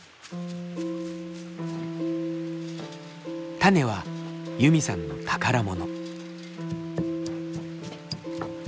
種はユミさんの宝物。